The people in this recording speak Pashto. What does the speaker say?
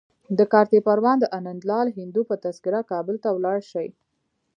د کارته پروان د انندلال هندو په تذکره کابل ته ولاړ شي.